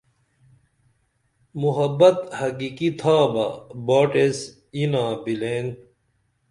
محبت حقیقی تھابہ باٹ ایس ینا بِلین